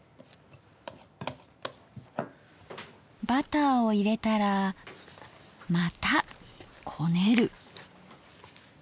バターを入れたらまたこねる！